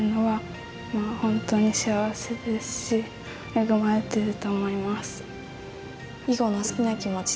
恵まれてると思います。